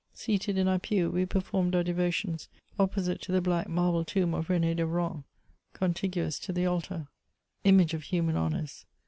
Seated in our pew, we performed our devotions opposite to the black marble tomb of Ren^ de Rohan, contiguous to the altar; image of human honours